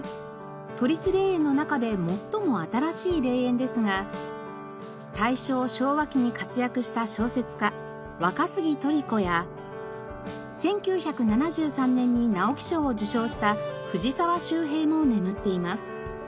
都立霊園の中で最も新しい霊園ですが大正昭和期に活躍した小説家若杉鳥子や１９７３年に直木賞を受賞した藤沢周平も眠っています。